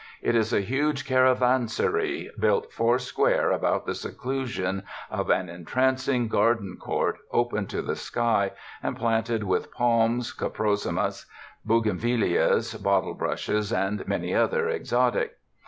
It is a huge caravansary built four square about the seclusion of an entrancing garden court open to the sky and planted with palms, coprosmas, bougainvilleas, bottle brushes and many another exotic.